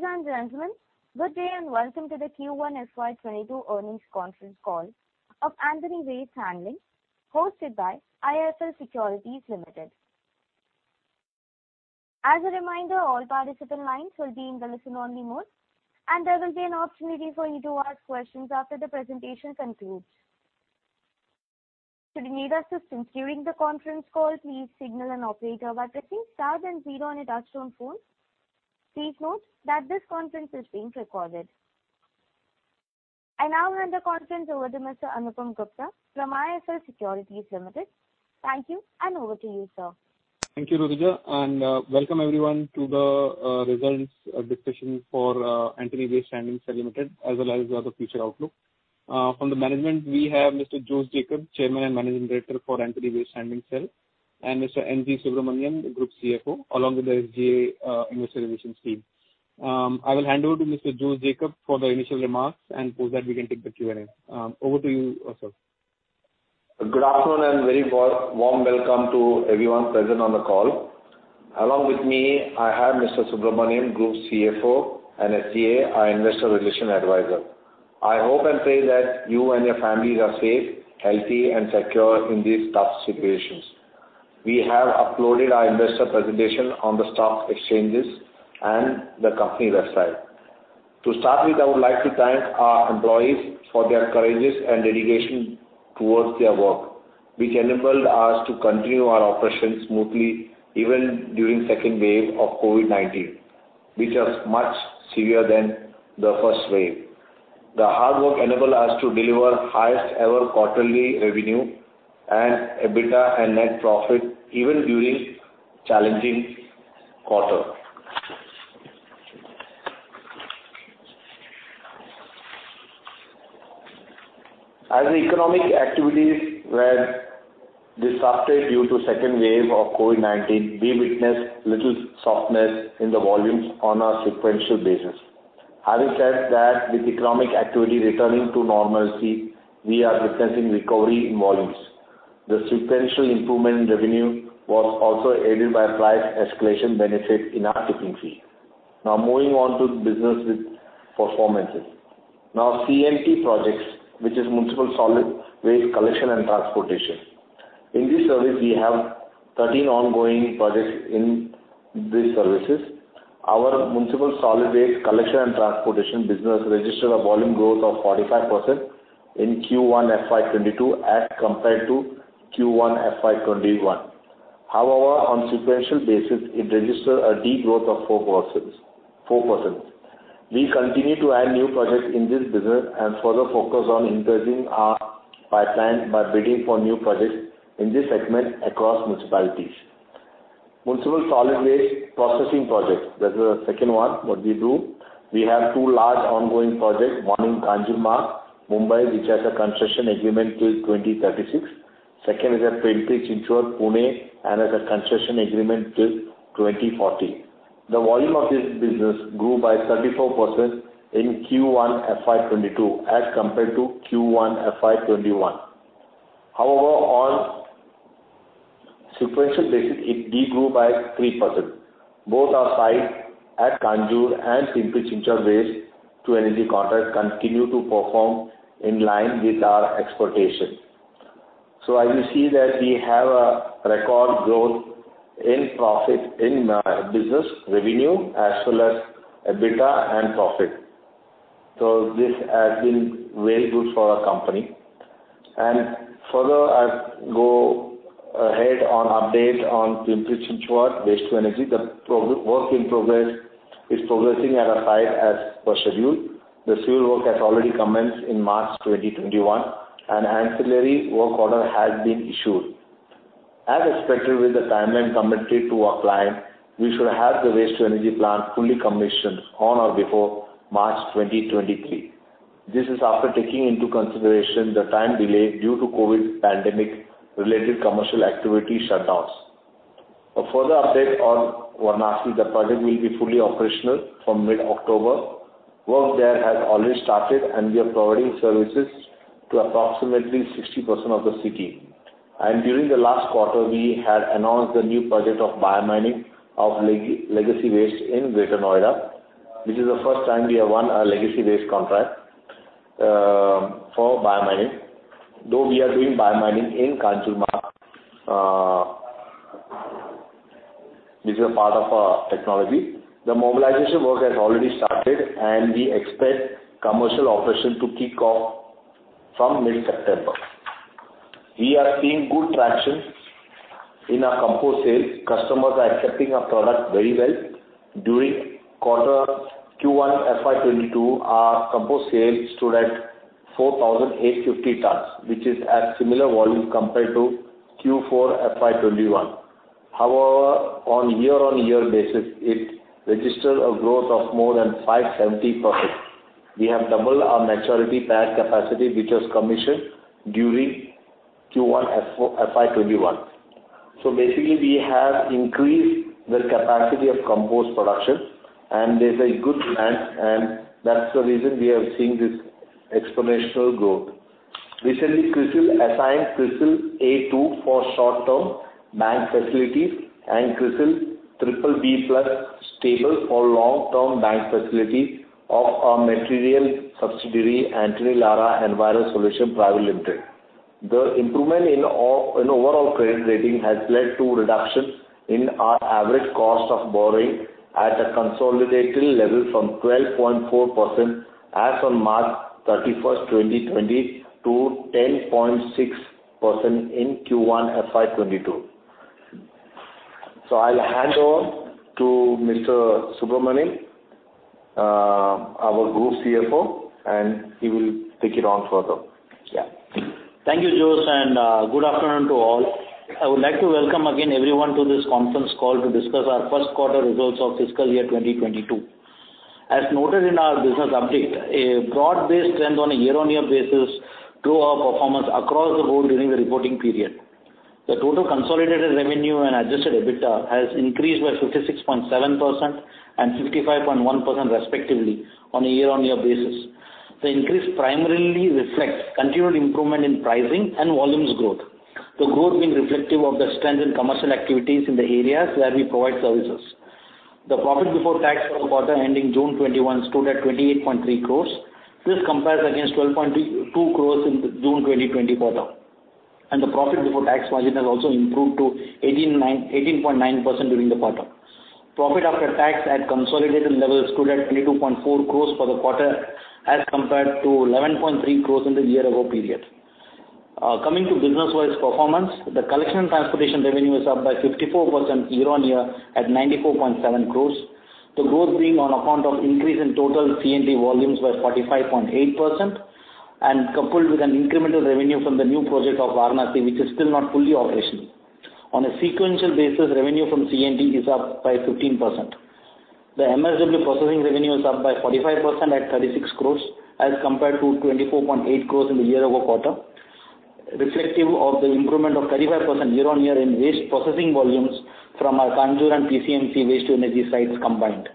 Ladies and gentlemen, good day and welcome to the Q1 FY22 earnings conference call of Antony Waste Handling, hosted by IIFL Securities Limited. As a reminder, all participant lines will be in the listen-only mode, and there will be an opportunity for you to ask questions after the presentation concludes. Should you need assistance during the conference call, please signal an operator by pressing star then zero on your touch-tone phone. Please note that this conference is being recorded. I now hand the conference over to Mr. Anupam Gupta from IIFL Securities Limited. Thank you, and over to you, sir. Thank you, Rudraja. Welcome everyone to the results discussion for Antony Waste Handling Cell Limited, as well as the other future outlook. From the management, we have Mr. Jose Jacob, Chairman and Managing Director for Antony Waste Handling Cell, and Mr. N.G. Subramanian, the Group CFO, along with the SGA investor relations team. I will hand over to Mr. Jose Jacob for the initial remarks. After that, we can take the Q&A. Over to you, sir. Good afternoon, very warm welcome to everyone present on the call. Along with me, I have Mr. Subramanian, Group CFO, and SGA, our investor relations advisor. I hope and pray that you and your families are safe, healthy, and secure in these tough situations. We have uploaded our investor presentation on the stock exchanges and the company website. To start with, I would like to thank our employees for their courage and dedication towards their work, which enabled us to continue our operations smoothly even during the second wave of COVID-19, which was much severe than the first wave. The hard work enabled us to deliver the highest-ever quarterly revenue and EBITDA and net profit even during a challenging quarter. As economic activities were disrupted due to the second wave of COVID-19, we witnessed a little softness in the volumes on a sequential basis. Having said that, with economic activity returning to normalcy, we are witnessing recovery in volumes. The sequential improvement in revenue was also aided by price escalation benefit in our tipping fee. Moving on to the business performances. C&T projects, which is Municipal Solid Waste Collection and Transportation. In this service, we have 13 ongoing projects in these services. Our Municipal Solid Waste Collection and Transportation business registered a volume growth of 45% in Q1 FY22 as compared to Q1 FY21. However, on a sequential basis, it registered a de-growth of 4%. We continue to add new projects in this business and further focus on increasing our pipeline by bidding for new projects in this segment across municipalities. Municipal Solid Waste Processing projects. That is the second one that we do. We have two large ongoing projects, one in Kanjurmarg, Mumbai, which has a concession agreement till 2036. Second is at Pimpri-Chinchwad, Pune, and has a concession agreement till 2040. The volume of this business grew by 34% in Q1 FY22 as compared to Q1 FY21. However, on a sequential basis, it de-grew by 3%. Both our sites at Kanjur and Pimpri-Chinchwad Waste to Energy contracts continue to perform in line with our expectations. As you see that we have a record growth in profit, in business revenue, as well as EBITDA and profit. This has been very good for our company. Further, I'll go ahead on update on Pimpri-Chinchwad Waste to Energy. The work in progress is progressing at a site as per schedule. The civil work has already commenced in March 2021, and ancillary work order has been issued. As expected with the timeline committed to our client, we should have the Waste to Energy plant fully commissioned on or before March 2023. This is after taking into consideration the time delay due to COVID pandemic related commercial activity shutdowns. A further update on Varanasi, the project will be fully operational from mid-October. Work there has already started, and we are providing services to approximately 60% of the city. During the last quarter, we had announced the new project of biomining of legacy waste in Greater Noida. This is the first time we have won a legacy waste contract for biomining, though we are doing biomining in Kanjurmarg. This is part of our technology. The mobilization work has already started, and we expect commercial operation to kick off from mid-September. We are seeing good traction in our compost sales. Customers are accepting our product very well. During quarter Q1 FY22, our compost sales stood at 4,850 tons, which is at similar volume compared to Q4 FY21. On a year-on-year basis, it registered a growth of more than 570%. We have doubled our maturity plant capacity, which was commissioned during Q1 FY21. Basically, we have increased the capacity of compost production, and there's a good demand, and that's the reason we are seeing this exponential growth. Recently, CRISIL assigned CRISIL A2 for short-term bank facilities and CRISIL BBB+ stable for long-term bank facilities of our material subsidiary, Antony Lara Enviro Solutions Private Limited. The improvement in overall credit rating has led to reductions in our average cost of borrowing at a consolidated level from 12.4% as on March 31st, 2020 to 10.6% in Q1 FY22. I'll hand over to Mr. Subramani, our Group CFO, and he will take it on further. Thank you, Jose, and good afternoon to all. I would like to welcome again everyone to this conference call to discuss our first quarter results of fiscal year 2022. As noted in our business update, a broad-based trend on a year-on-year basis drove our performance across the board during the reporting period. The total consolidated revenue and adjusted EBITDA has increased by 56.7% and 55.1%, respectively, on a year-on-year basis. The increase primarily reflects continued improvement in pricing and volumes growth. The growth being reflective of the strength in commercial activities in the areas where we provide services. The profit before tax for the quarter ending June 2021 stood at 28.3 crores. This compares against 12.2 crores in the June 2020 quarter, and the profit before tax margin has also improved to 18.9% during the quarter. Profit after tax at consolidated levels stood at 22.4 crores for the quarter as compared to 11.3 crores in the year-ago period. Coming to business-wise performance, the Collection & Transportation revenue is up by 54% year-on-year at 94.7 crores. The growth being on account of increase in total C&T volumes by 45.8%, and coupled with an incremental revenue from the new project of Varanasi, which is still not fully operational. On a sequential basis, revenue from C&T is up by 15%. The MSW processing revenue is up by 45% at 36 crores as compared to 24.8 crores in the year-ago quarter, reflective of the improvement of 35% year-on-year in waste processing volumes from our Kanjurmarg and PCMC waste to energy sites combined.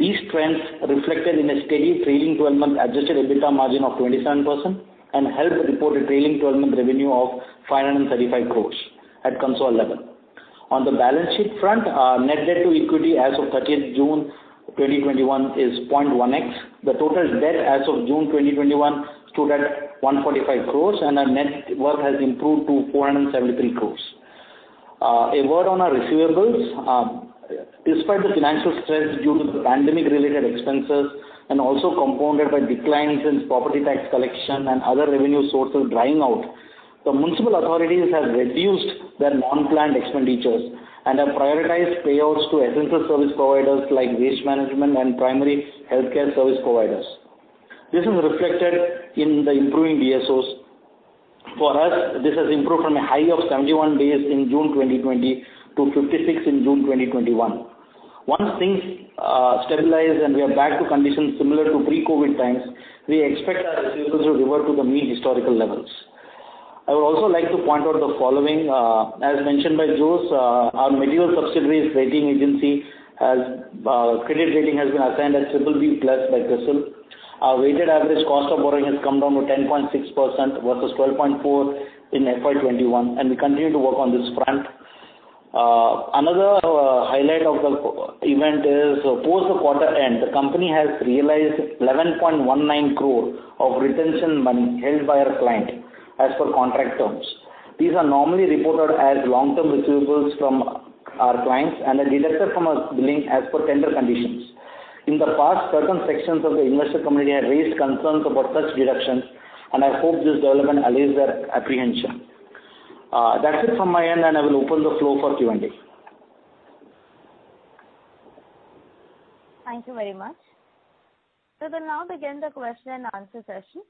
These trends reflected in a steady trailing 12-month adjusted EBITDA margin of 27% and helped report a trailing 12-month revenue of 535 crores at consolidated level. On the balance sheet front, our net debt to equity as of 30th June 2021 is 0.1x. The total debt as of June 2021 stood at 145 crores, and our net worth has improved to 473 crores. A word on our receivables. Despite the financial stress due to the pandemic-related expenses and also compounded by declines in property tax collection and other revenue sources drying out, the municipal authorities have reduced their non-planned expenditures and have prioritized payouts to essential service providers like waste management and primary healthcare service providers. This is reflected in the improving DSOs. For us, this has improved from a high of 71 days in June 2020 to 56 in June 2021. Once things stabilize and we are back to conditions similar to pre-COVID times, we expect our receivables to revert to the mean historical levels. I would also like to point out the following. As mentioned by Jose, our material subsidiary's credit rating has been assigned as CRISIL BBB+. Our weighted average cost of borrowing has come down to 10.6% versus 12.4% in FY21, and we continue to work on this front. Another highlight of the event is post the quarter end, the company has realized 11.19 crore of retention money held by our client, as per contract terms. These are normally reported as long-term receivables from our clients and are deducted from our billing as per tender conditions. In the past, certain sections of the investor community have raised concerns about such deductions, and I hope this development allays their apprehension. That's it from my end, and I will open the floor for Q&A. Thank you very much. We will now begin the question and answer session.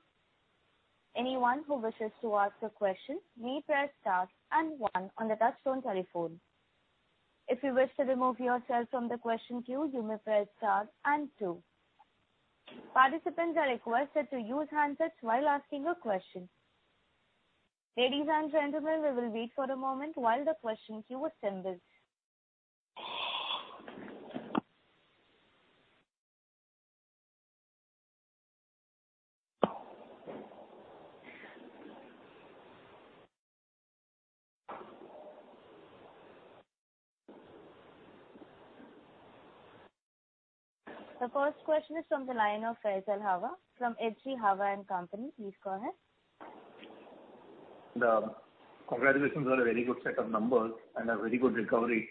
The first question is from the line of Faisal Hawa from H.G. Hawa and Company. Please go ahead. Congratulations on a very good set of numbers and a very good recovery.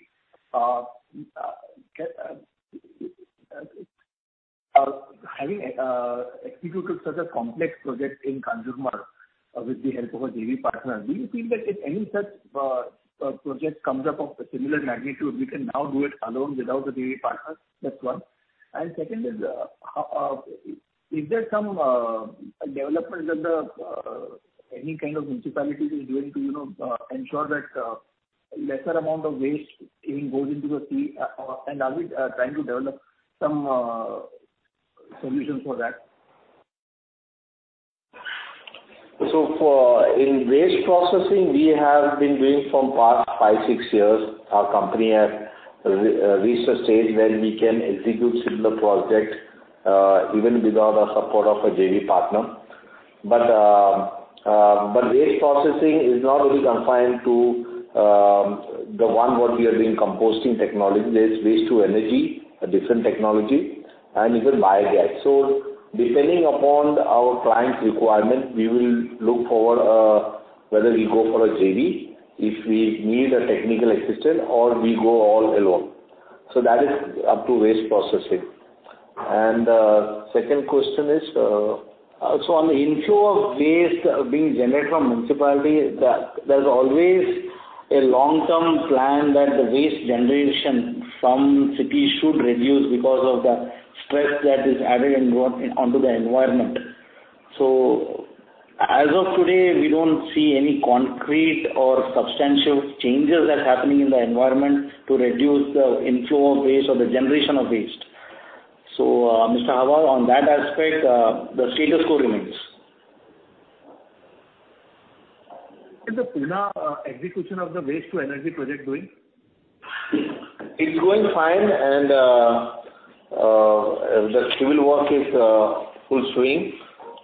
Having executed such a complex project in Kanjurmarg with the help of a JV partner, do you feel that if any such project comes up of a similar magnitude, we can now do it alone without the JV partner? That's one. Second is there some development that any kind of municipalities is doing to ensure that lesser amount of waste even goes into the sea? Are we trying to develop some solutions for that? In waste processing, we have been doing from past five, six years. Our company has reached a stage where we can execute similar projects even without the support of a JV partner. Waste processing is not only confined to the one what we are doing, composting technology. There's waste to energy, a different technology, and even biogas. Depending upon our client's requirement, we will look for whether we go for a JV, if we need a technical assistant, or we go all alone. That is up to waste processing. Second question is, on the inflow of waste being generated from municipality, there's always a long-term plan that the waste generation from cities should reduce because of the stress that is added onto the environment. As of today, we don't see any concrete or substantial changes that's happening in the environment to reduce the inflow of waste or the generation of waste. Mr. Hawa, on that aspect, the status quo remains. How is the Pune execution of the waste to energy project doing? It's going fine, and the civil work is full swing.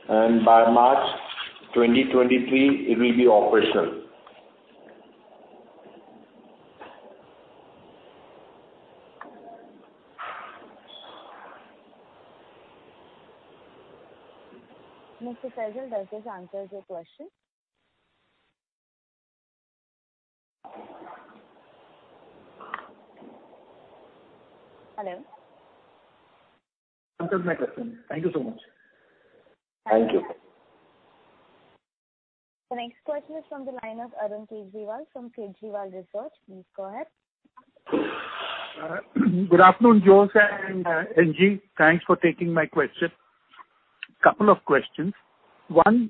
By March 2023, it will be operational. Mr. Khandelwal, does this answer your question? Hello? Answers my question. Thank you so much. Thank you. The next question is from the line of Arun Kejriwal from Kejriwal Research. Please go ahead. Good afternoon, Jose and N.G. Thanks for taking my question. Couple of questions. One,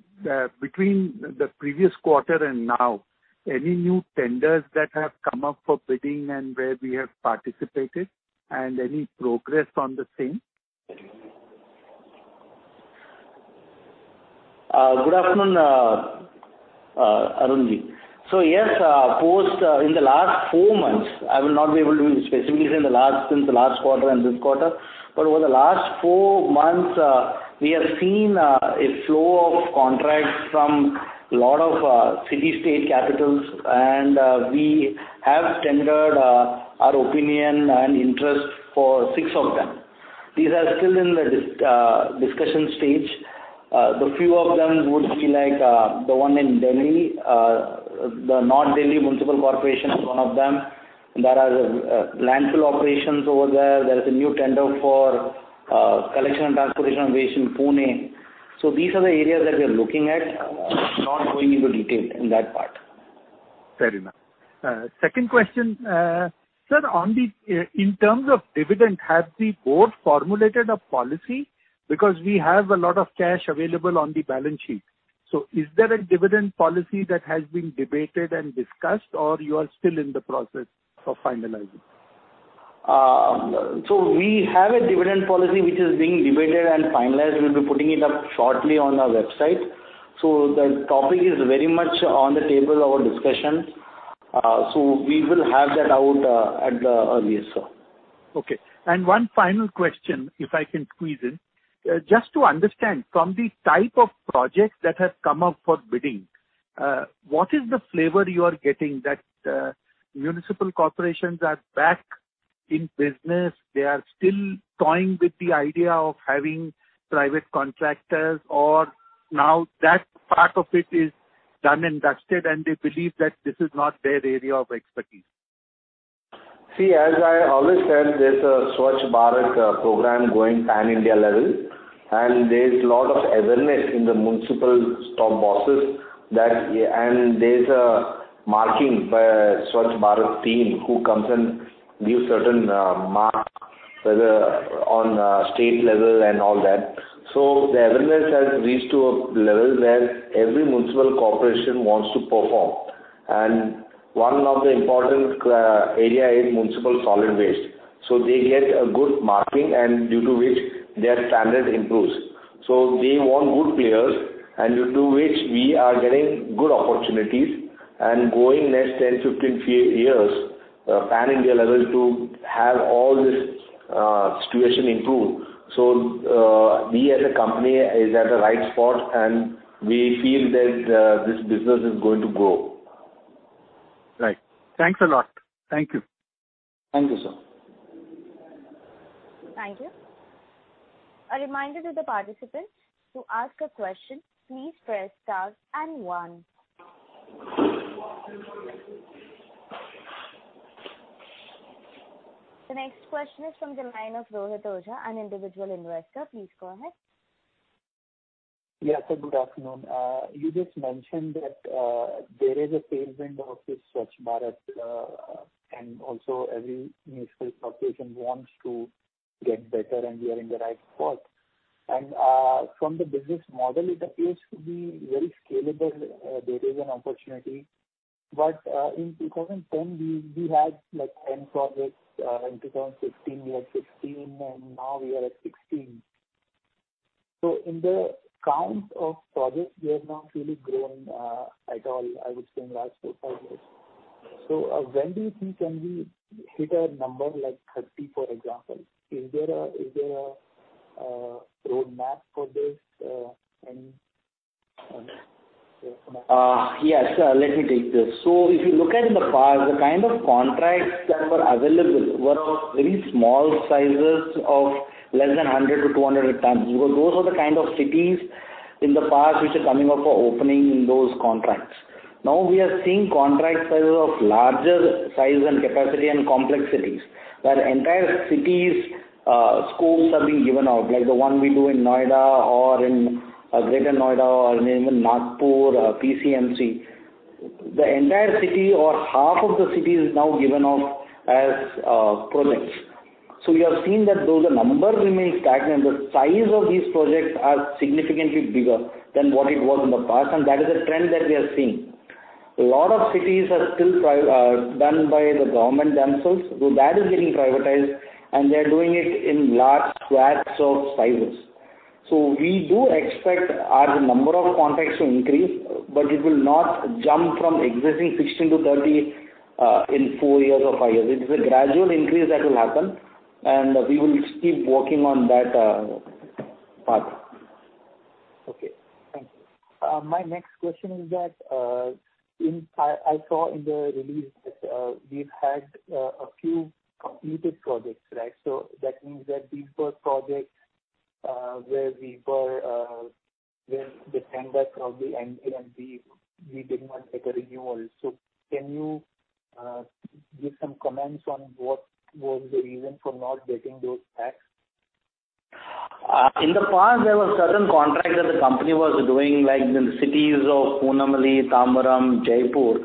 between the previous quarter and now, any new tenders that have come up for bidding and where we have participated, and any progress on the same? Good afternoon, Arun Ji. Yes, in the last four months, I will not be able to give you specifics since the last quarter and this quarter. Over the last four months, we have seen a flow of contracts from a lot of city state capitals, and we have tendered our opinion and interest for six of them. These are still in the discussion stage. The few of them would be like the one in Delhi. The North Delhi Municipal Corporation is one of them, and there are landfill operations over there. There is a new tender for collection and transportation of waste in Pune. These are the areas that we are looking at. Not going into detail in that part. Fair enough. Second question. Sir, in terms of dividend, has the board formulated a policy? Because we have a lot of cash available on the balance sheet. Is there a dividend policy that has been debated and discussed, or you are still in the process of finalizing? We have a dividend policy which is being debated and finalized. We'll be putting it up shortly on our website. The topic is very much on the table of our discussions. We will have that out at the earliest, sir. Okay. One final question, if I can squeeze in. Just to understand, from the type of projects that have come up for bidding, what is the flavor you are getting that municipal corporations are back in business, they are still toying with the idea of having private contractors, or now that part of it is done and dusted, and they believe that this is not their area of expertise? As I always said, there's a Swachh Bharat program going pan-India level, there's lot of awareness in the municipal top bosses. There's a marking by Swachh Bharat team who comes and gives certain marks on state level and all that. The awareness has reached to a level where every municipal corporation wants to perform. One of the important area is municipal solid waste. They get a good marking, and due to which their standard improves. They want good players, and due to which we are getting good opportunities, and going next 10, 15 years, pan-India level, to have all this situation improve. We as a company is at the right spot, and we feel that this business is going to grow. Right. Thanks a lot. Thank you. Thank you, sir. Thank you. A reminder to the participants, to ask a question, please press star and one. The next question is from the line of Rohit Ojha, an individual investor. Please go ahead. Yes, sir. Good afternoon. You just mentioned that there is a tailwind of this Swachh Bharat, and also every municipal corporation wants to get better and we are in the right spot. From the business model, it appears to be very scalable. There is an opportunity. In 2010, we had 10 projects. In 2016, we had 16, and now we are at 16. In the count of projects, we have not really grown at all, I would say, in the last four, five years. When do you think can we hit a number like 30, for example? Is there a roadmap for this? Any roadmap? Yes, let me take this. If you look at the past, the kind of contracts that were available were of very small sizes of less than 100-200 tons, because those were the kind of cities in the past which are coming up for opening those contracts. Now we are seeing contract sizes of larger size and capacity and complex cities, where entire cities scopes are being given out, like the one we do in Noida or in Greater Noida or even Nagpur, PCMC. The entire city or half of the city is now given off as projects. We have seen that though the number remains stagnant, the size of these projects are significantly bigger than what it was in the past, and that is a trend that we are seeing. Lot of cities are still done by the government themselves. That is getting privatized, and they're doing it in large swaths of sizes. We do expect our number of contracts to increase, but it will not jump from existing 16 to 30 in four years or five years. It's a gradual increase that will happen, and we will keep working on that path. Okay. Thank you. My next question is that, I saw in the release that we've had a few completed projects, right? That means that these were projects where the tender probably ended, and we did not get a renewal. Can you give some comments on what was the reason for not getting those back? In the past, there were certain contracts that the company was doing, like in the cities of Poonamallee, Tambaram, Jaipur,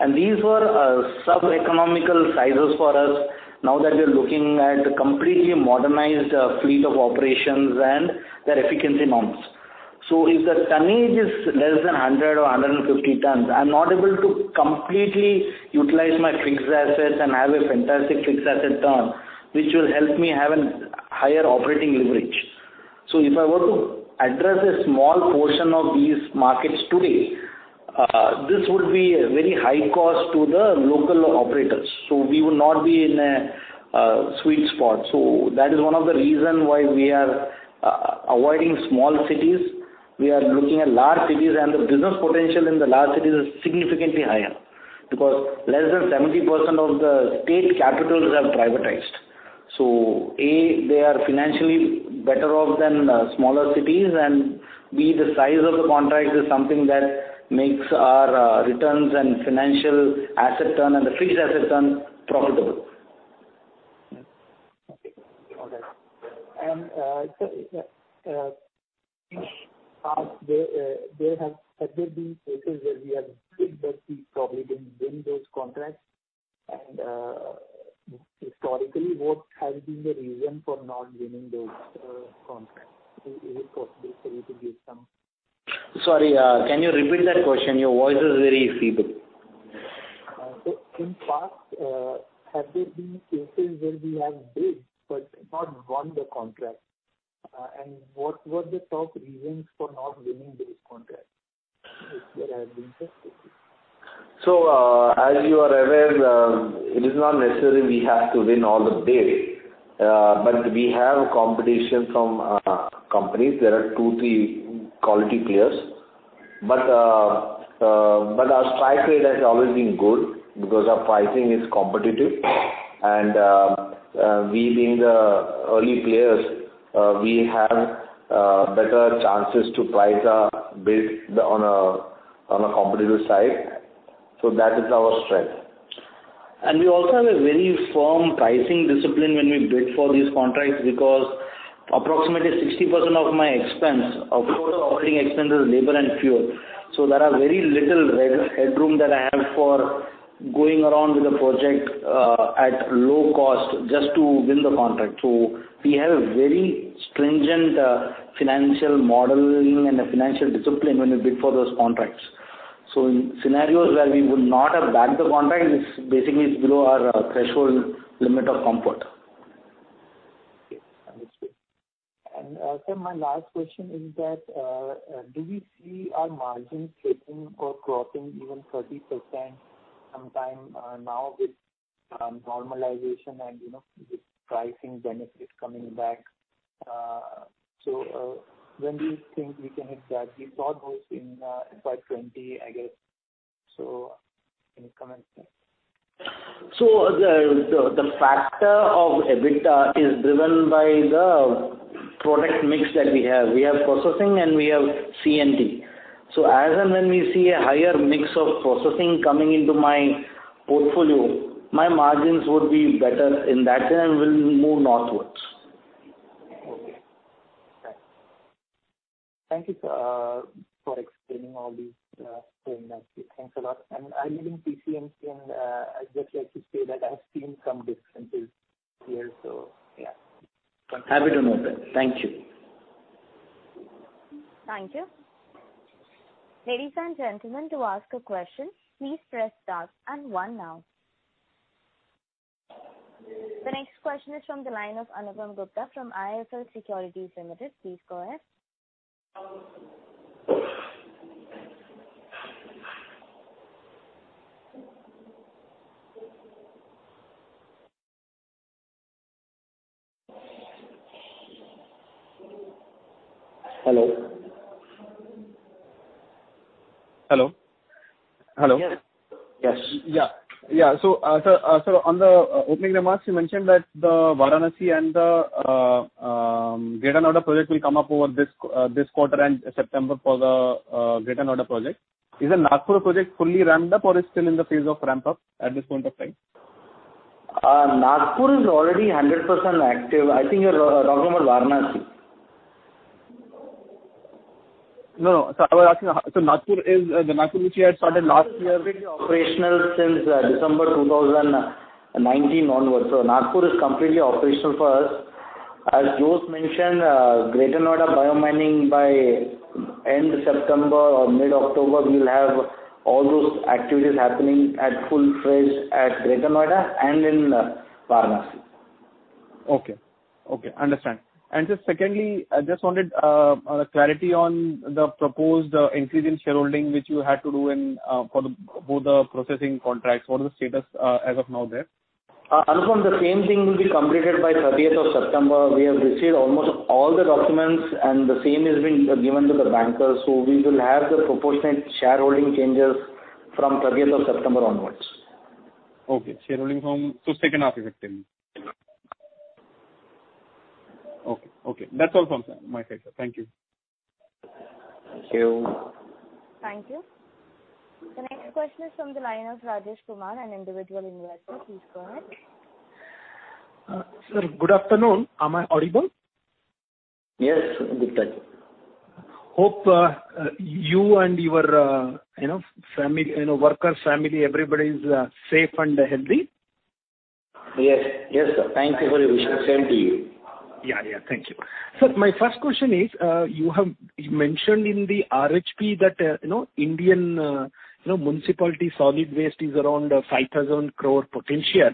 and these were sub-economical sizes for us now that we are looking at completely modernized fleet of operations and their efficiency norms. If the tonnage is less than 100 or 150 tons, I'm not able to completely utilize my fixed assets and have a fantastic fixed asset turn, which will help me have a higher operating leverage. If I were to address a small portion of these markets today, this would be a very high cost to the local operators. We would not be in a sweet spot. That is one of the reason why we are avoiding small cities. We are looking at large cities. The business potential in the large cities is significantly higher, because less than 70% of the state capitals have privatized. A, they are financially better off than smaller cities, and B, the size of the contract is something that makes our returns and financial asset turn and the fixed asset turn profitable. Okay. Got that. Sir, in past there have been cases where we have bid but we probably didn't win those contracts. Historically, what has been the reason for not winning those contracts? Is it possible for you to give some? Sorry, can you repeat that question? Your voice is very feeble. In the past, have there been cases where we have bid but not won the contract? What were the top reasons for not winning those contracts, if there have been such cases? As you are aware, it is not necessary we have to win all the bids. We have competition from companies. There are two, three quality players. Our strike rate has always been good because our pricing is competitive. We being the early players, we have better chances to price our bid on a competitive side. That is our strength. We also have a very firm pricing discipline when we bid for these contracts because approximately 60% of my expense, of total operating expense is labor and fuel. There are very little headroom that I have for going around with a project at low cost just to win the contract. We have a very stringent financial modeling and a financial discipline when we bid for those contracts. In scenarios where we would not have bagged the contract, it's basically below our threshold limit of comfort. Okay. Understood. Sir, my last question is that, do we see our margin creeping or crossing even 30% sometime now with normalization and with pricing benefits coming back? When do you think we can hit that? We saw those in FY 2020, I guess. Any comments there? The factor of EBITDA is driven by the product mix that we have. We have processing and we have C&T. As and when we see a higher mix of processing coming into my portfolio, my margins would be better in that, and we'll move northward. Okay. Right. Thank you, sir, for explaining all these things. Thanks a lot. I'm leaving PCMC, and I'd just like to say that I've seen some differences here, so yeah. Happy to know that. Thank you. Thank you. Ladies and gentlemen. The next question is from the line of Anupam Gupta from IIFL Securities Limited. Please go ahead. Hello. Hello. Yes. On the opening remarks, you mentioned that the Varanasi and the Greater Noida project will come up over this quarter and September for the Greater Noida project. Is the Nagpur project fully ramped up or it's still in the phase of ramp up at this point of time? Nagpur is already 100% active. I think you're talking about Varanasi. No. I was asking, Nagpur which you had started last year- Nagpur is completely operational since December 2019 onwards. Nagpur is completely operational for us. As Jose mentioned, Greater Noida biomining by end September or mid-October, we will have all those activities happening at full pace at Greater Noida and in Varanasi. Okay. Understand. Just secondly, I just wanted clarity on the proposed increase in shareholding, which you had to do for both the processing contracts. What is the status as of now there? Anupam, the same thing will be completed by 30th of September. We have received almost all the documents. The same has been given to the bankers. We will have the proportionate shareholding changes from 30th of September onwards. Okay. Shareholding from second half effectively. Okay. That's all from my side, sir. Thank you. Thank you. Thank you. The next question is from the line of Rajesh Kumar, an individual investor. Please go ahead. Sir, good afternoon. Am I audible? Yes. Good afternoon. Hope you and your workers' family, everybody is safe and healthy. Yes, sir. Thank you for your wishes. Same to you. Yeah. Thank you. Sir, my first question is, you have mentioned in the RHP that Indian Municipal Solid Waste is around 5,000 crore potential.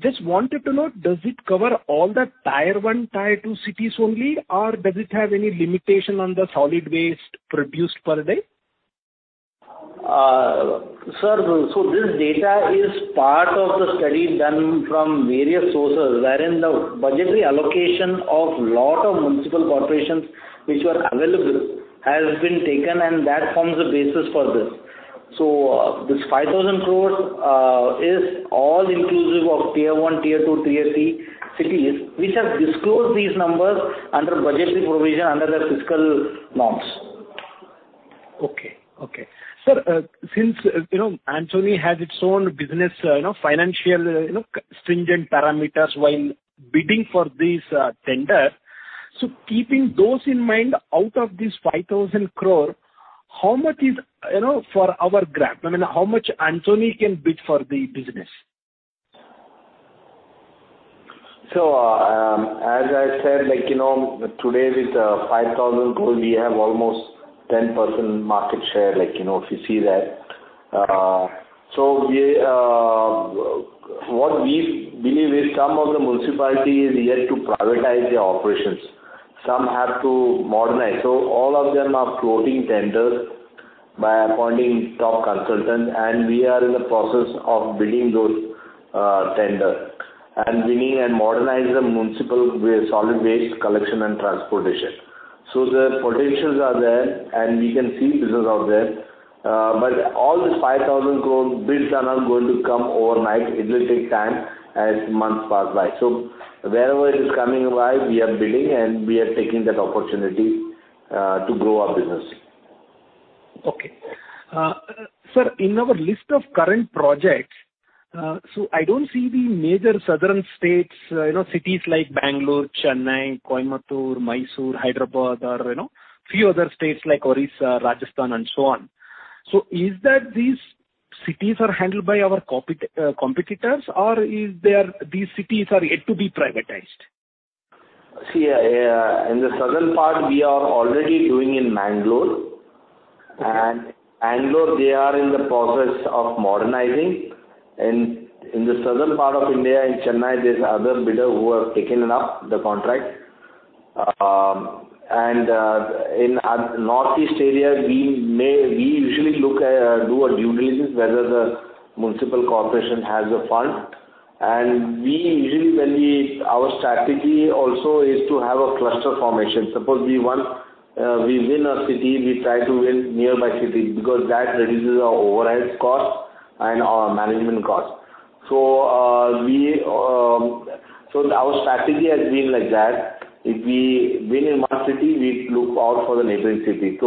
Just wanted to know, does it cover all the tier one, tier two cities only, or does it have any limitation on the solid waste produced per day? Sir, this data is part of the study done from various sources, wherein the budgetary allocation of lot of municipal corporations which were available has been taken, and that forms the basis for this. This 5,000 crore is all inclusive of tier one, tier two, tier three cities, which have disclosed these numbers under budgetary provision under the fiscal norms. Okay. Sir, since Antony has its own business financial stringent parameters while bidding for this tender, keeping those in mind, out of this 5,000 crore, how much is for our grab? I mean, how much Antony can bid for the business? As I said, today with 5,000 crore, we have almost 10% market share, if you see that. What we believe is some of the municipalities is yet to privatize their operations. Some have to modernize. All of them are floating tenders by appointing top consultants, and we are in the process of bidding those tenders and winning and modernize the Municipal Solid Waste Collection and Transportation. The potentials are there, and we can see business out there. All these 5,000 crore bids are not going to come overnight. It will take time as months pass by. Wherever it is coming by, we are bidding and we are taking that opportunity to grow our business. Okay. Sir, in our list of current projects, I don't see the major southern states, cities like Bangalore, Chennai, Coimbatore, Mysore, Hyderabad, or few other states like Orissa, Rajasthan and so on. Is that these cities are handled by our competitors, or these cities are yet to be privatized? See, in the southern part, we are already doing in Bangalore. Bangalore, they are in the process of modernizing. In the southern part of India, in Chennai, there is other bidder who have taken up the contract. In northeast area, we usually do a due diligence whether the municipal corporation has a fund. Our strategy also is to have a cluster formation. Suppose we win a city, we try to win nearby cities because that reduces our overheads cost and our management cost. Our strategy has been like that. If we win in one city, we look out for the neighboring city. At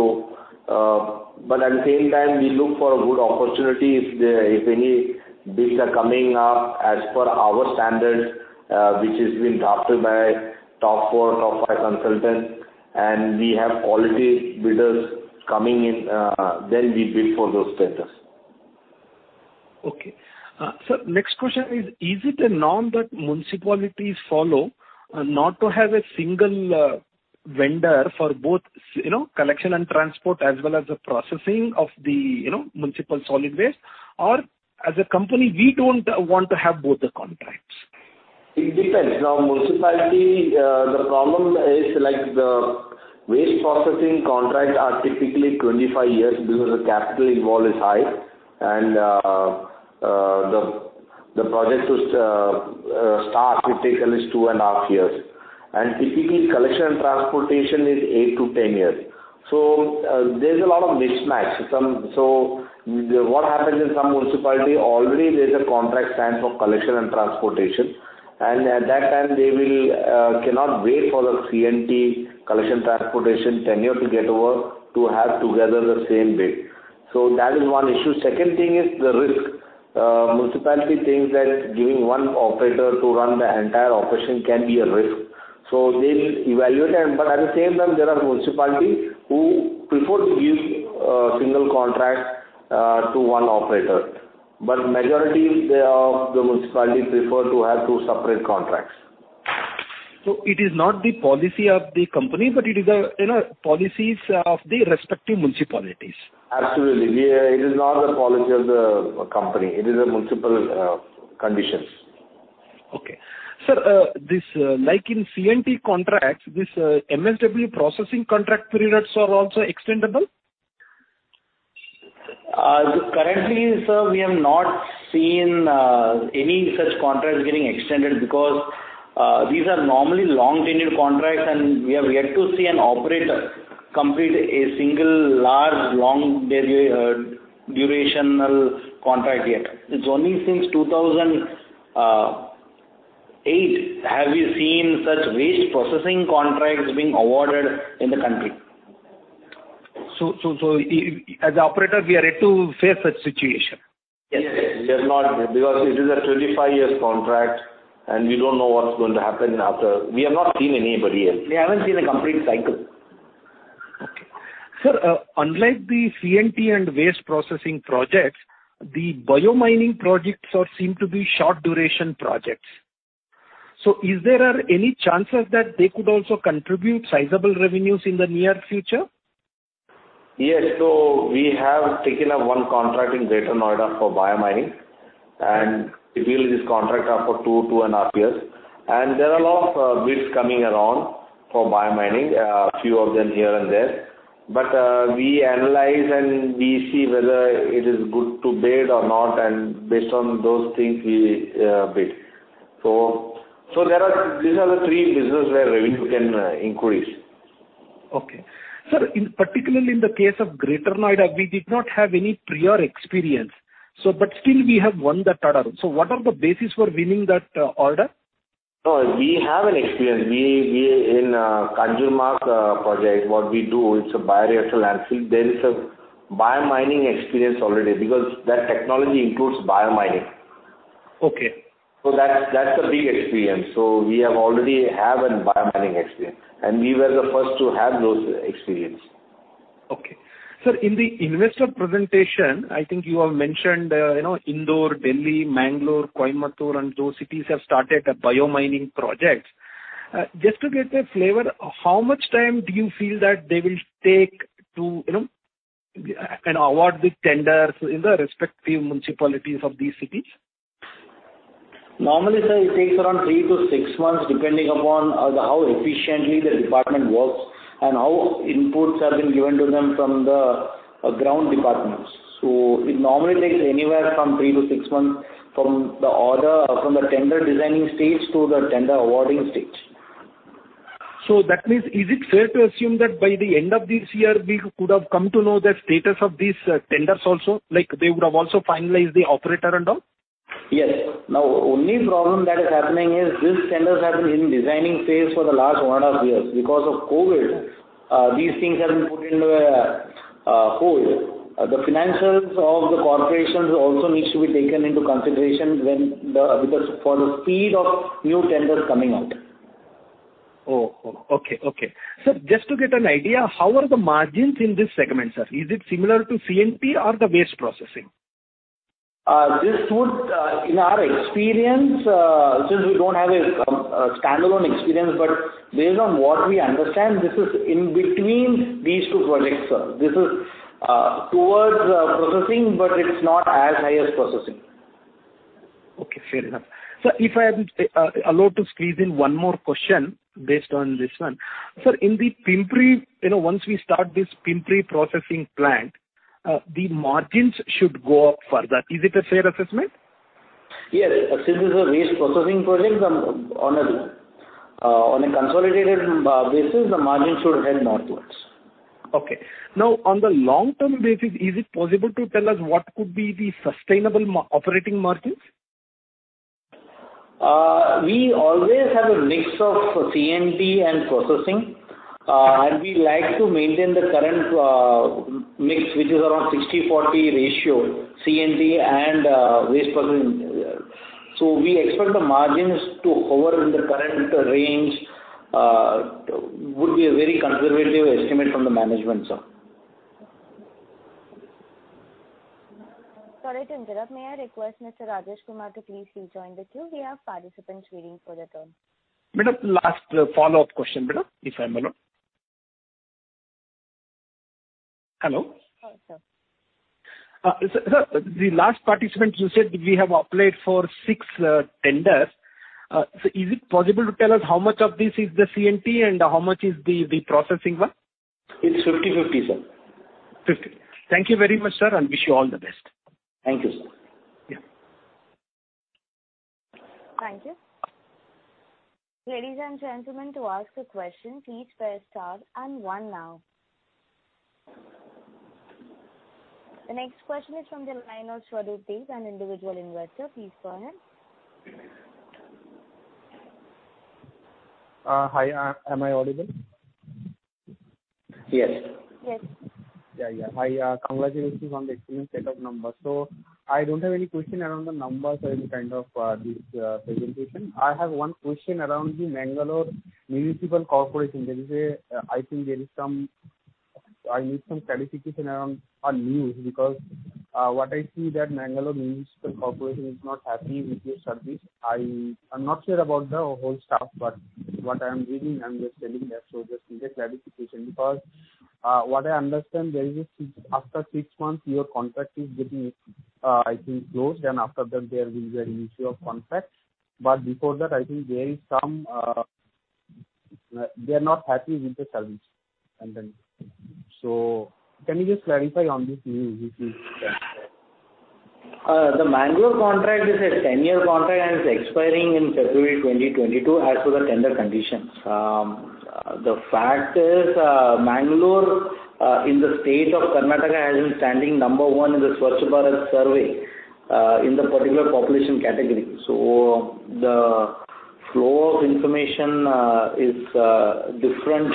the same time, we look for a good opportunity if any bids are coming up as per our standards, which has been drafted by top four, top five consultants, and we have quality bidders coming in, then we bid for those tenders. Okay. Sir, next question is: Is it a norm that municipalities follow not to have a single vendor for both collection and transport, as well as the processing of the municipal solid waste, or as a company, we don't want to have both the contracts? It depends. Municipality, the problem is the waste processing contracts are typically 25 years because the capital involved is high and the project to start will take at least 2.5 years. Typically, Collection & Transportation is eight to 10 years. There's a lot of mismatch. What happens in some municipality, already there's a contract signed for Collection & Transportation. At that time, they cannot wait for the C&T, Collection & Transportation, tenure to get over to have together the same bid. That is one issue. Second thing is the risk. Municipality thinks that giving one operator to run the entire operation can be a risk, so they will evaluate. At the same time, there are municipalities who prefer to give a single contract to one operator. Majority of the municipalities prefer to have two separate contracts. It is not the policy of the company, but it is the policies of the respective municipalities. Absolutely. It is not the policy of the company. It is the municipal conditions. Okay. Sir, like in C&T contracts, this MSW processing contract periods are also extendable? Currently, sir, we have not seen any such contracts getting extended because these are normally long-tenured contracts and we are yet to see an operator complete a single large, long durational contract yet. It's only since 2008 have we seen such waste processing contracts being awarded in the country. As an operator, we are yet to face such situation. Yes. It is a 25 years contract and we don't know what's going to happen after. We have not seen anybody yet. We haven't seen a complete cycle. Okay. Sir, unlike the C&T and waste processing projects, the biomining projects seem to be short duration projects. Is there any chances that they could also contribute sizable revenues in the near future? Yes. We have taken up one contract in Greater Noida for biomining and typically these contracts are for 2.5 years. There are a lot of bids coming around for biomining, few of them here and there. We analyze and we see whether it is good to bid or not, and based on those things we bid. These are the three businesses where revenue can increase. Okay. Sir, particularly in the case of Greater Noida, we did not have any prior experience, still we have won that order. What is the basis for winning that order? We have an experience. In Kanjurmarg project, what we do, it's a bioreactor landfill. There is a biomining experience already because that technology includes biomining. Okay. That's a big experience. We already have a biomining experience and we were the first to have those experience. Okay. Sir, in the investor presentation, I think you have mentioned Indore, Delhi, Bangalore, Coimbatore, and those cities have started a biomining project. Just to get a flavor, how much time do you feel that they will take to award the tenders in the respective municipalities of these cities? Normally, sir, it takes around three to six months, depending upon how efficiently the department works and how inputs have been given to them from the ground departments. It normally takes anywhere from three to six months from the tender designing stage to the tender awarding stage. That means, is it fair to assume that by the end of this year, we could have come to know the status of these tenders also, like they would have also finalized the operator and all? Yes. Now, only problem that is happening is these tenders have been in designing phase for the last one and a half years. Because of COVID, these things have been put into a hold. The financials of the corporations also needs to be taken into consideration for the speed of new tenders coming out. Oh, okay. Sir, just to get an idea, how are the margins in this segment, sir? Is it similar to C&T or the waste processing? In our experience, since we don't have a standalone experience, but based on what we understand, this is in between these two projects, sir. This is towards processing, but it's not as high as processing. Okay, fair enough. Sir, if I am allowed to squeeze in one more question based on this one. Sir, once we start this Pimpri processing plant, the margins should go up further. Is it a fair assessment? Yes. Since it's a waste processing project, on a consolidated basis, the margin should head upwards. Okay. Now, on the long-term basis, is it possible to tell us what could be the sustainable operating margins? We always have a mix of C&T and processing, and we like to maintain the current mix, which is around 60-40 ratio, C&T and waste processing. We expect the margins to hover in the current range, would be a very conservative estimate from the management, sir. Sorry to interrupt. May I request Mr. Rajesh Kumar to please rejoin with you? We have participants waiting for the turn. Madam, last follow-up question, if I may know. Hello? Hello, sir. Sir, the last participants you said we have applied for six tenders. Is it possible to tell us how much of this is the C&T and how much is the processing one? It's 50/50, sir. 50. Thank you very much, sir, and wish you all the best. Thank you, sir. Yeah. Thank you. Ladies and gentlemen, to ask a question, please press star and one now. The next question is from the line of Sharad Teja, an individual investor. Please go ahead. Hi, am I audible? Yes. Yes. Yeah. Hi, congratulations on the excellent set of numbers. I don't have any question around the numbers or any kind of this presentation. I have one question around the Mangaluru City Corporation. I think I need some clarification around a news, because what I see is that Mangaluru City Corporation is not happy with your service. I'm not sure about the whole stuff, but what I am reading, I'm just telling that. Just need a clarification, because what I understand, after six months, your contract is getting, I think, closed, and after that there will be a renewal of contract. Before that, I think they are not happy with the service. Can you just clarify on this news, if you can, sir? The Mangalore contract is a 10-year contract and it's expiring in February 2022 as per the tender conditions. The fact is Mangalore, in the state of Karnataka, has been standing number one in the Swachh Bharat survey in the particular population category. The flow of information is different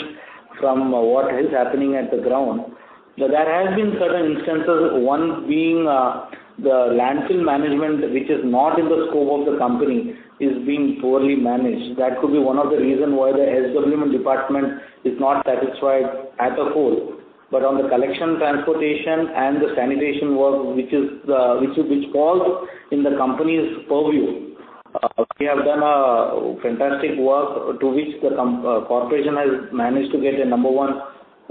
from what is happening at the ground. There has been certain instances, one being the landfill management, which is not in the scope of the company, is being poorly managed. That could be one of the reason why the SWM department is not satisfied as a whole. On the collection, transportation, and the sanitation work, which falls in the company's purview, we have done fantastic work to which the corporation has managed to get a number one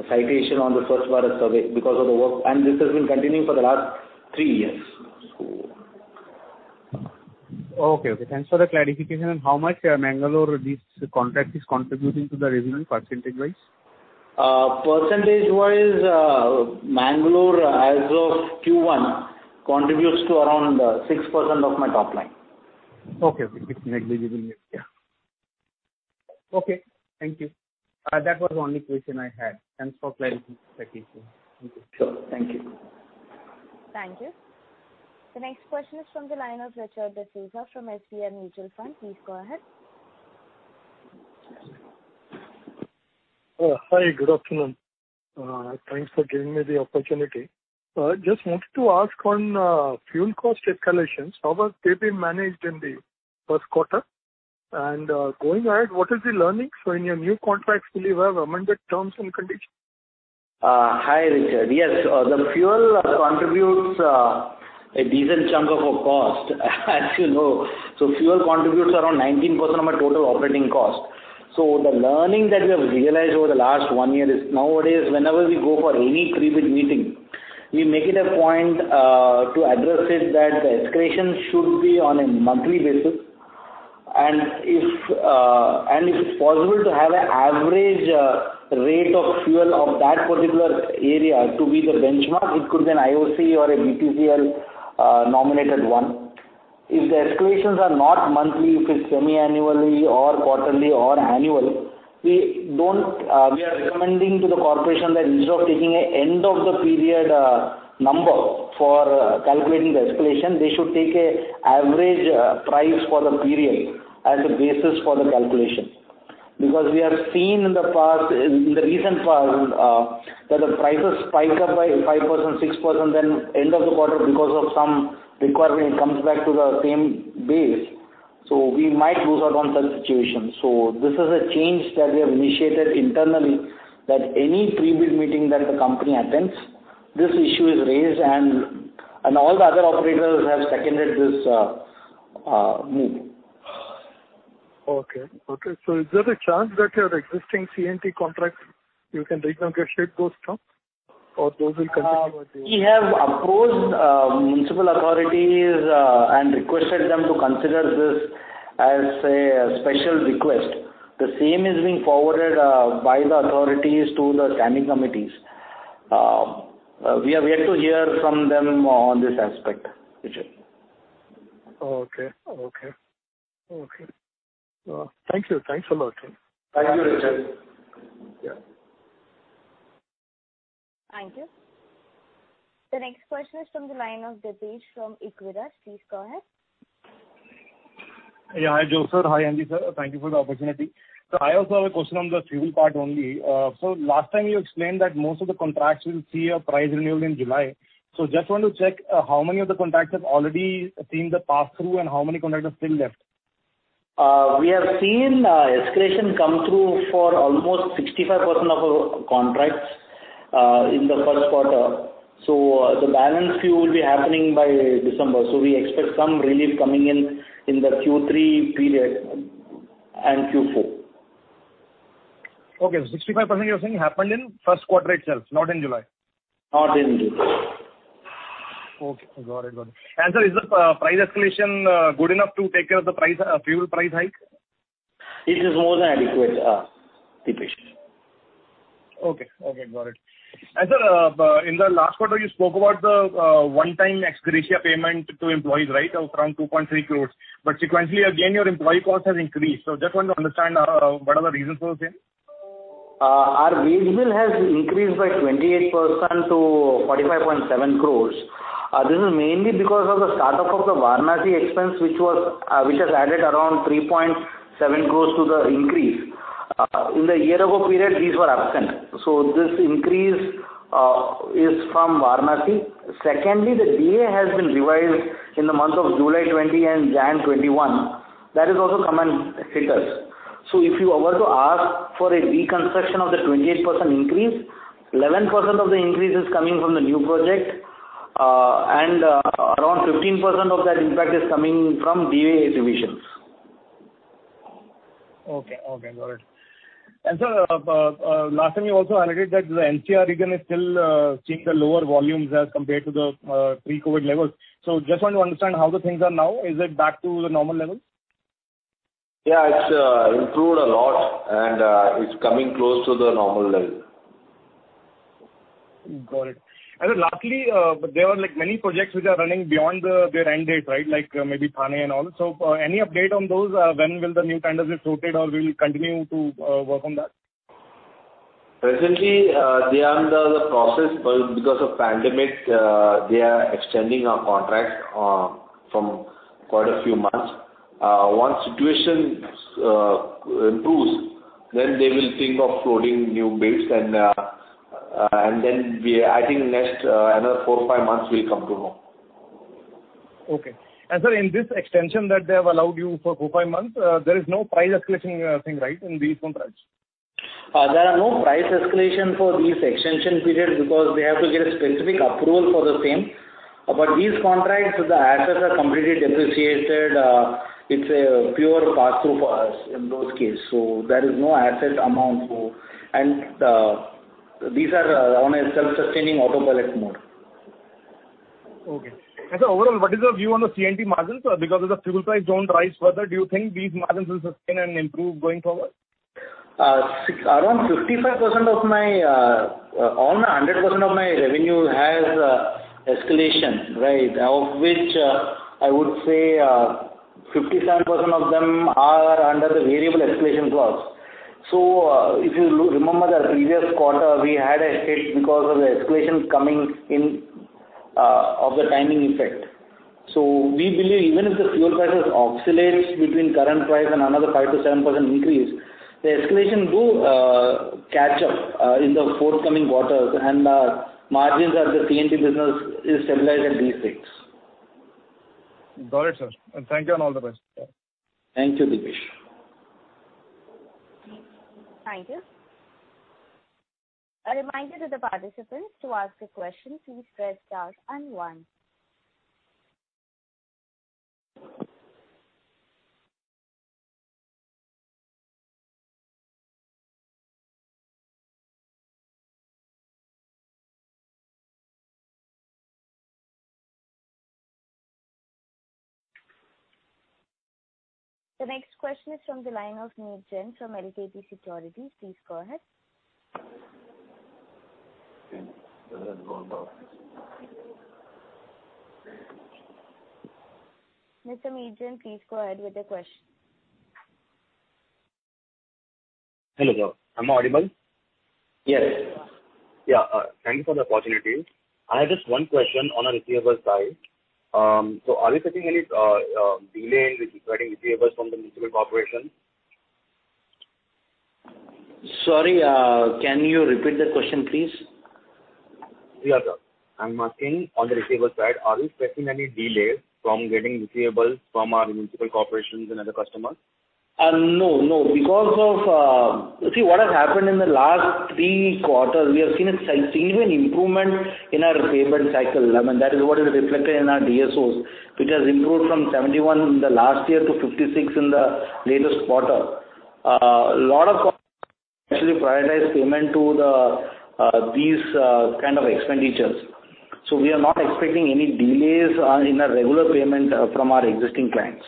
citation on the Swachh Bharat survey because of the work, and this has been continuing for the last three years. Okay. Thanks for the clarification. How much Mangalore contract is contributing to the revenue percentage-wise? Percentage-wise, Mangaluru as of Q1 contributes to around 6% of my top line. Okay. It is negligible. Yeah. Okay, thank you. That was the only question I had. Thanks for clarity, Thank you sir. Sure. Thank you. Thank you. The next question is from the line of Richard D'Souza from SBI Mutual Fund. Please go ahead. Hi, good afternoon. Thanks for giving me the opportunity. Just wanted to ask on fuel cost escalations, how has they been managed in the first quarter? Going ahead, what is the learning? In your new contracts, will you have amended terms and conditions? Hi, Richard. Yes, the fuel contributes a decent chunk of our cost as you know. Fuel contributes around 19% of our total operating cost. The learning that we have realized over the last one year is nowadays, whenever we go for any pre-bid meeting, we make it a point to address it that the escalation should be on a monthly basis. If it's possible to have an average rate of fuel of that particular area to be the benchmark, it could be an IOC or a BPCL nominated one. If the escalations are not monthly, if it's semiannually or quarterly or annual, we are recommending to the corporation that instead of taking an end of the period number for calculating the escalation, they should take an average price for the period as the basis for the calculation. We have seen in the recent past that the prices spike up by 5%, 6%, then end of the quarter because of some requirement comes back to the same base. We might lose out on such situations. This is a change that we have initiated internally that any pre-bid meeting that the company attends, this issue is raised and all the other operators have seconded this move. Okay. Is there a chance that your existing C&T contracts, you can renegotiate those terms, or those will continue as they are? We have approached municipal authorities and requested them to consider this as a special request. The same is being forwarded by the authorities to the standing committees. We are yet to hear from them on this aspect, Richard. Okay. Thank you. Thanks a lot, sir. Thank you, Richard. Yeah. Thank you. The next question is from the line of Depesh from Equirus. Please go ahead. Hi, Joe sir. Hi, NG sir. Thank you for the opportunity. I also have a question on the fuel part only. Last time you explained that most of the contracts will see a price renewal in July. Just want to check how many of the contracts have already seen the pass-through and how many contracts are still left? We have seen escalation come through for almost 65% of our contracts in the first quarter. The balance few will be happening by December. We expect some relief coming in the Q3 period and Q4. Okay. 65% you're saying happened in first quarter itself. Not in July? Not in July. Okay. Got it. Sir, is the price escalation good enough to take care of the fuel price hike? It is more than adequate, Depesh. Okay. Got it. Sir, in the last quarter, you spoke about the one-time ex-gratia payment to employees, right? Of around 2.3 crores. Sequentially, again, your employee cost has increased. Just want to understand what are the reasons for the same. Our wage bill has increased by 28% to 45.7 crores. This is mainly because of the start-up of the Varanasi expense, which has added around 3.7 crores to the increase. In the year-ago period, these were absent. This increase is from Varanasi. Secondly, the DA has been revised in the month of July 2020 and January 2021. That has also come and hit us. If you were to ask for a deconstruction of the 28% increase, 11% of the increase is coming from the new project, and around 15% of that impact is coming from DA revisions. Okay. Got it. Sir, last time you also highlighted that the NCR region is still seeing the lower volumes as compared to the pre-COVID levels. Just want to understand how the things are now. Is it back to the normal level? Yeah, it's improved a lot, and it's coming close to the normal level. Got it. Sir lastly, there were many projects which are running beyond their end date, right? Like maybe Thane and all. Any update on those? When will the new tenders get floated, or we'll continue to work on that? Presently, they are under the process. Because of pandemic, they are extending our contract from quite a few months. Once situation improves, they will think of floating new bids. I think next another four, five months, we'll come to know. Okay. Sir, in this extension that they have allowed you for four, five months, there is no price escalation thing, right? In these contracts. There are no price escalation for these extension periods because we have to get a specific approval for the same. These contracts, the assets are completely depreciated. It's a pure pass-through for us in those case. There is no asset amount. These are on a self-sustaining autopilot mode. Okay. Sir, overall, what is your view on the C&T margins? Because if the fuel price don't rise further, do you think these margins will sustain and improve going forward? Almost 100% of my revenue has escalation, right, of which I would say 57% of them are under the variable escalation clause. If you remember the previous quarter, we had a hit because of the escalations coming in of the timing effect. We believe even if the fuel prices oscillates between current price and another 5%-7% increase, the escalation do catch up in the forthcoming quarters, and margins of the C&T business is stabilized at these rates. Got it, sir. Thank you, and all the best. Thank you, Depesh. Thank you. A reminder to the participants, to ask a question, please press star and one. The next question is from the line of Meer Gen from LKP Securities. Please go ahead. Okay. Mr. Meer Gen, please go ahead with your question. Hello, sir. Am I audible? Yes. Yeah. Thank you for the opportunity. I have just one question on the receivables side. Are we facing any delay in getting receivables from the municipal corporations? Sorry. Can you repeat the question, please? Yeah, sir. I'm asking on the receivables side, are we facing any delays from getting receivables from our municipal corporations and other customers? No. Because of. See what has happened in the last three quarters, we have seen a significant improvement in our payment cycle. That is what is reflected in our DSOs, which has improved from 71 in the last year to 56 in the latest quarter. A lot of actually prioritize payment to these kind of expenditures. We are not expecting any delays in our regular payment from our existing clients.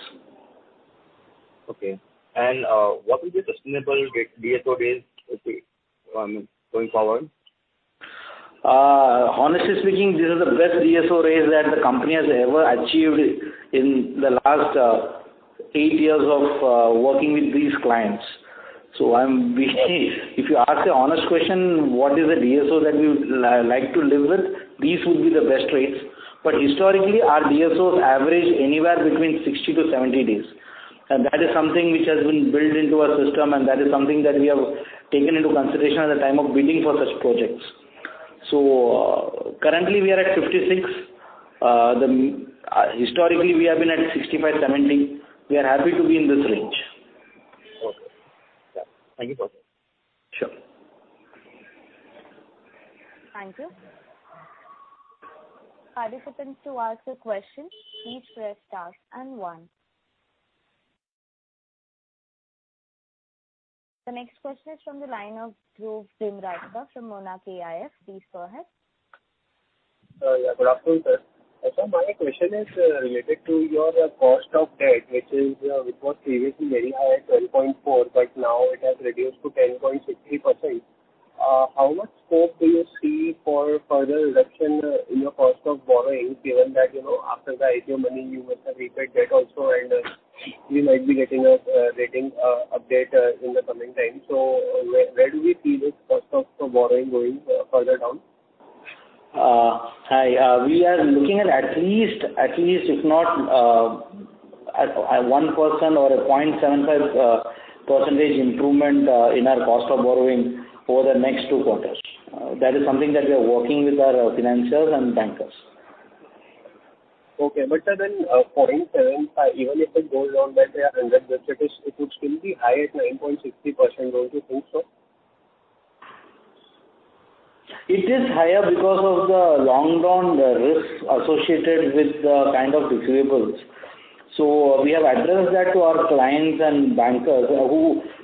Okay. What will be the sustainable DSO days going forward? Honestly speaking, these are the best DSO rates that the company has ever achieved in the last eight years of working with these clients. If you ask the honest question, what is the DSO that we would like to live with, these would be the best rates. Historically, our DSOs average anywhere between 60 to 70 days. That is something which has been built into our system, and that is something that we have taken into consideration at the time of bidding for such projects. Currently we are at 56. Historically, we have been at 65, 70. We are happy to be in this range. Okay. Thank you. Sure. Thank you. Participants to ask a question, please press star and one. The next question is from the line of Dhruv Bhimrajka from Monarch AIF. Please go ahead. Good afternoon, sir. Sir, my question is related to your cost of debt, which was previously very high at 10.4%, but now it has reduced to 10.63%. How much scope do you see for further reduction in your cost of borrowing, given that after the IPO money you must have repaid debt also, and you might be getting a rating update in the coming time. Where do we see this cost of borrowing going further down? Hi. We are looking at least, if not at a 1% or a 0.75% improvement in our cost of borrowing over the next two quarters. That is something that we are working with our financers and bankers. Okay. Sir, then 0.75, even if it goes down by 100 basis, it would still be high at 9.63%. Don't you think so? It is higher because of the long-term risks associated with the kind of receivables. We have addressed that to our clients and bankers.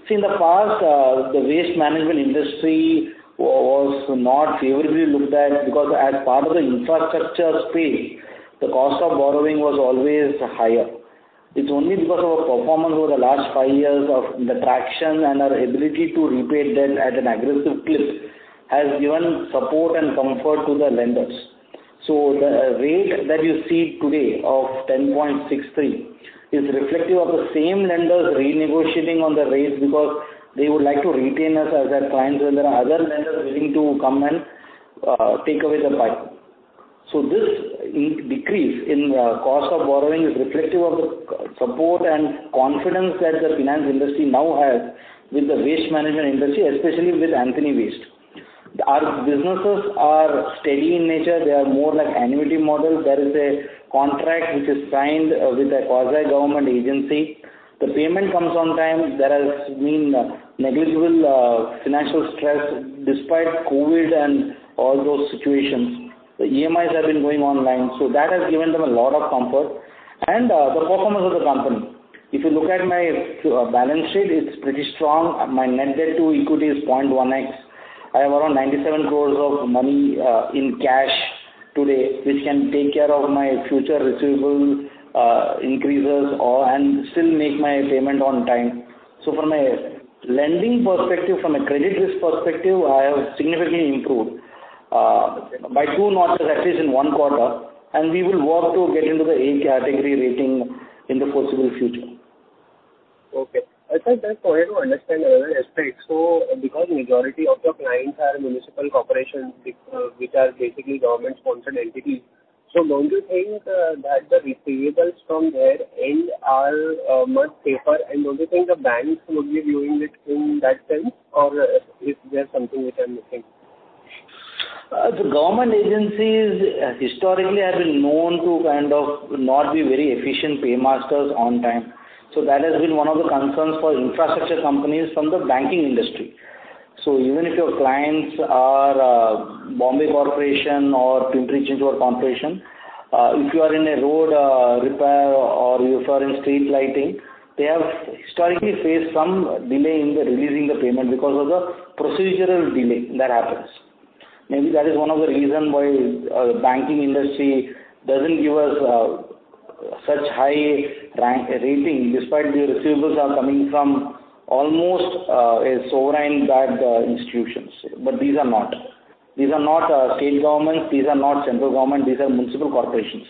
See, in the past, the waste management industry was not favorably looked at because as part of the infrastructure space, the cost of borrowing was always higher. It's only because of our performance over the last five years of the traction and our ability to repay debt at an aggressive clip has given support and comfort to the lenders. The rate that you see today of 10.63 is reflective of the same lenders renegotiating on the rates because they would like to retain us as their clients when there are other lenders willing to come and take away the pipe. This decrease in cost of borrowing is reflective of the support and confidence that the finance industry now has with the waste management industry, especially with Antony Waste. Our businesses are steady in nature. They are more like annuity model. There is a contract which is signed with a quasi-government agency. The payment comes on time. There has been negligible financial stress despite COVID and all those situations. The EMIs have been going online, so that has given them a lot of comfort. The performance of the company. If you look at my balance sheet, it's pretty strong. My net debt to equity is .1x. I have around 97 crores in cash today, which can take care of my future receivable increases and still make my payment on time. From a lending perspective, from a credit risk perspective, I have significantly improved by two notches at least in one quarter, and we will work to get into the A category rating in the foreseeable future. Okay. Sir, just for you to understand another aspect. Because majority of your clients are municipal corporations, which are basically government-sponsored entities. Don't you think that the receivables from their end are much safer, and don't you think the banks would be viewing it in that sense? Is there something which I'm missing? The government agencies historically have been known to kind of not be very efficient paymasters on time. That has been one of the concerns for infrastructure companies from the banking industry. Even if your clients are Bombay Corporation or Pimpri-Chinchwad Corporation, if you are in a road repair or if you are in street lighting, they have historically faced some delay in releasing the payment because of the procedural delay that happens. Maybe that is one of the reason why banking industry doesn't give us such high rating despite the receivables are coming from almost a sovereign backed institutions. These are not. These are not state government, these are not central government, these are municipal corporations,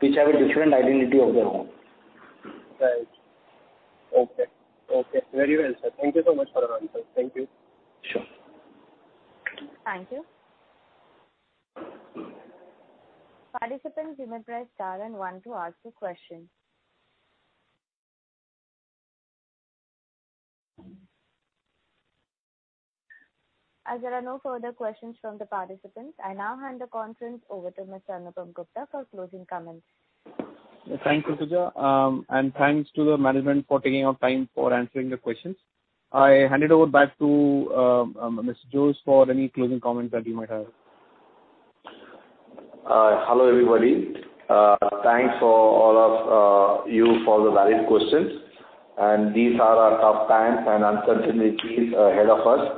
which have a different identity of their own. Right. Okay. Very well, sir. Thank you so much for the answer. Thank you. Sure. Thank you. There are no further questions from the participants, I now hand the conference over to Mr. Anupam Gupta for closing comments. Thanks, Pooja. Thanks to the management for taking out time for answering the questions. I hand it over back to Mr. Jose for any closing comments that you might have. Hello, everybody. Thanks all of you for the valid questions. These are tough times and uncertainties ahead of us.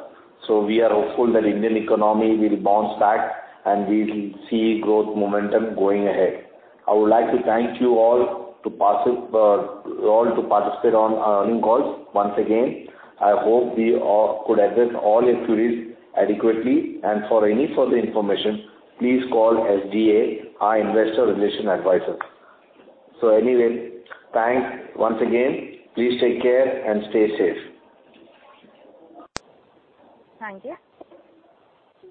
We are hopeful that Indian economy will bounce back, and we'll see growth momentum going ahead. I would like to thank you all to participate on our earnings call once again. I hope we could address all your queries adequately, and for any further information, please call SGA, our investor relation advisors. Anyway, thanks once again. Please take care and stay safe. Thank you.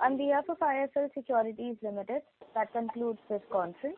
On behalf of IIFL Securities Limited, that concludes this conference.